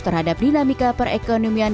terhadap dinamika perekonomian